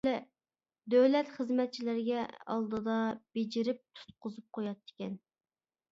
دۆلەت خىزمەتچىلىرىگە ئالدىدا بېجىرىپ تۇتقۇزۇپ قوياتتىكەن.